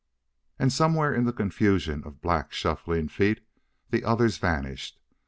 And somewhere in the confusion of black, shuffling feet the others vanished.